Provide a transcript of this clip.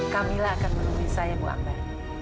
kamilah akan menunggu saya bu akbar